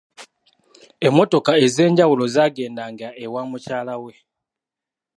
Emmotoka ez'enjawulo zaagendanga ewa mukyala we.